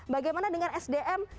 bagaimana dengan sdm